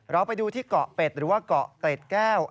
เราไปดูที่เกาะเป็ดหรือว่าเกาะเกร็ดแก้ว